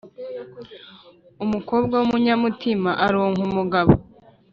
Umukobwa w’umunyamutima aronka umugabo,